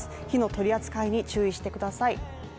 火の取り扱いに注意してください。